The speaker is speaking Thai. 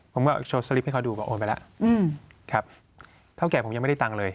ผมก็โชว์สลิปให้เขาดูบอกโอนไปแล้วครับเท่าแก่ผมยังไม่ได้ตังค์เลย